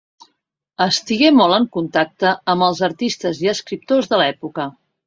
Estigué molt en contacte amb els artistes i escriptors de l'època.